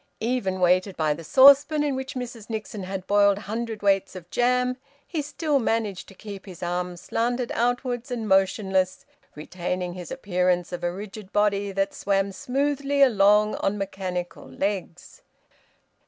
Even weighted by the saucepan, in which Mrs Nixon had boiled hundredweights of jam, he still managed to keep his arms slanted outwards and motionless, retaining his appearance of a rigid body that swam smoothly along on mechanical legs.